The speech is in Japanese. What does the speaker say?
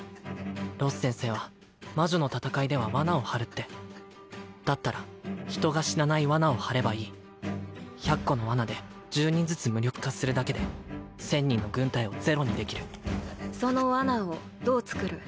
ロス先生は魔女の戦いではワナを張るってだったら人が死なないワナを張ればいい１００個のワナで１０人ずつ無力化するだけで１０００人の軍隊をゼロにできるそのワナをどう作る？